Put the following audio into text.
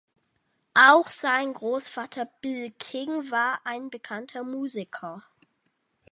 Auch sein Großvater Bill King war ein bekannter Musiker.